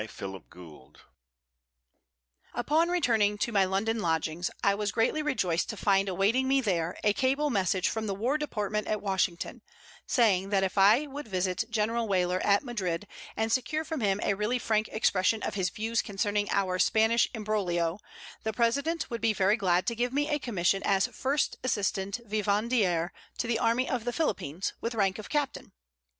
GENERAL WEYLER Upon returning to my London lodgings I was greatly rejoiced to find awaiting me there a cable message from the War Department at Washington, saying that if I would visit General Weyler at Madrid, and secure from him a really frank expression of his views concerning our Spanish imbroglio, the President would be very glad to give me a commission as First Assistant Vivandière to the army of the Philippines, with rank of Captain.